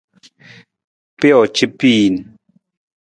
Pijoo ca piin.